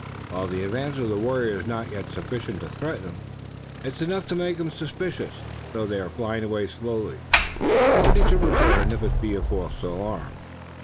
While the advance of the warriors is not yet sufficient to threaten 'em, it's enough to make 'em suspicious, and so they are flying away slowly, ready to return if it be a false alarm."